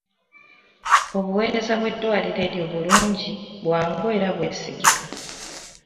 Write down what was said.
Obuweereza bw'eddwaliro eryo bulungi, bwangu era bwesigika.